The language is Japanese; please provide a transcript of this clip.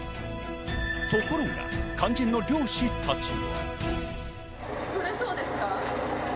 ところが肝心の漁師たちは。